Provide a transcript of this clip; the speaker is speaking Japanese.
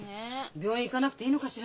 病院行かなくていいのかしら？